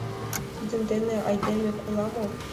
Тидын дене айдеме кола мо?